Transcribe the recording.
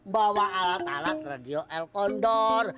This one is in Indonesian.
bawa alat alat radio elkondor